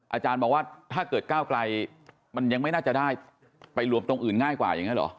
อาจารย์บอกว่าถ้าเกิดก้าวไกลมันยังไม่น่าจะได้ไปรวมตรงอื่นง่ายกว่าอย่างนี้เหรอ